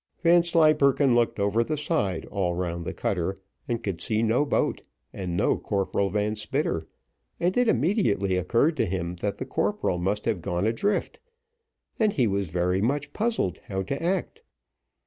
Vanslyperken looked over the side all round the cutter, and could see no boat and no Corporal Van Spitter, and it immediately occurred to him that the corporal must have gone adrift, and he was very much puzzled how to act.